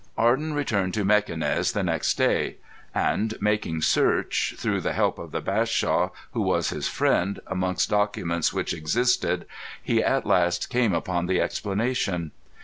Arden returned to Mequinez the next day, and, making search, through the help of the Bashaw, who was his friend, amongst documents which existed, he at last came upon the explanation.